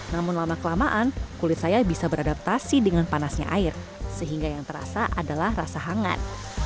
namun lama kelamaan kulit saya bisa beradaptasi dengan panasnya air sehingga yang terasa adalah rasa hangat